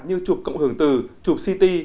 như chụp cộng hưởng từ chụp ct